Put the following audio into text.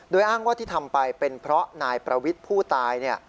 โดยอ้างว่าที่ทำไปเป็นเพราะนายประวิทย์ผู้ตาย